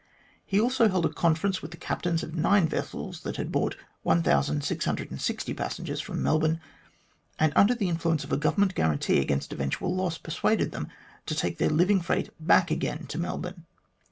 He also held a conference with the captains of nine vessels that had brought 1660 passengers from Melbourne, and under the influence of a Government guarantee against eventual loss, persuaded them to take their living freight back again to Melbourne.